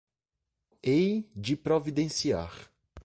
Hei de providenciar